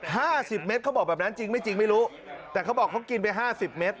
ห้าสิบเมตรเขาบอกแบบนั้นจริงไม่จริงไม่รู้แต่เขาบอกเขากินไปห้าสิบเมตร